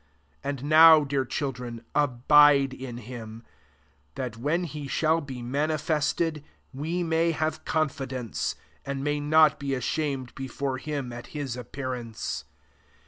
28 And now, dear children, abide in him; that, when he shall be manifested, we may have confidence, and may not ^e ashamed before him at his appearance.